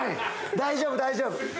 大丈夫大丈夫！